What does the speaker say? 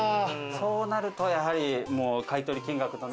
そうなるとやはり。